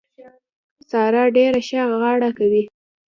سارا ډېره ښه غاړه کوي.